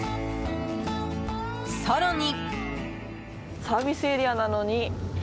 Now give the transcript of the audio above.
更に。